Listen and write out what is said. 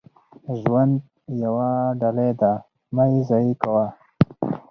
• ژوند یوه ډالۍ ده، مه یې ضایع کوه.